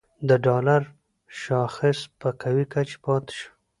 د ډالر شاخص په قوي کچه پاتې شو